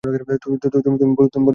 তুমি বলবে, আমি মিথ্যা বলছি।